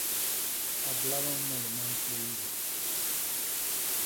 Hablaba un alemán fluido.